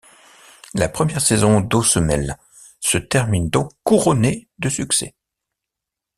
La première saison d'Osemele se termine donc couronnée de succès.